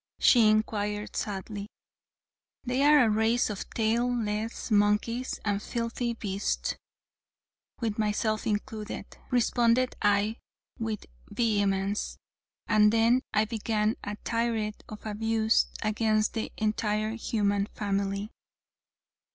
she inquired sadly. "They are a race of tail less monkeys and filthy beasts with myself included," responded I, with vehemence, and then I began a tirade of abuse against the entire human family.